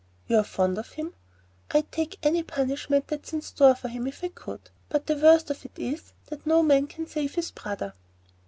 You're fond of him?" "I'd take any punishment that's in store for him if I could; but the worst of it is, no man can save his brother."